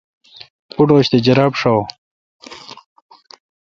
پوٹوش تہ جراب شاوہ۔